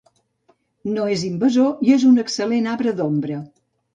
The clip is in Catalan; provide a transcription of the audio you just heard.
No és invasor i és un excel·lent arbre d'ombra.